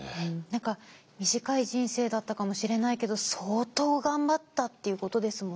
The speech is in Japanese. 何か短い人生だったかもしれないけど相当頑張ったっていうことですもんね。